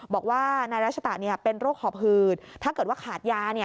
บอกว่านายรัชตะเป็นโรคหอบหืดถ้าเกิดว่าขาดยา